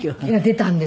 出たんです。